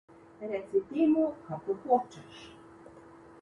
Reci temu kakor hočeš.